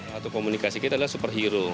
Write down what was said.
satu komunikasi kita adalah superhero